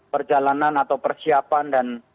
perjalanan atau persiapan dan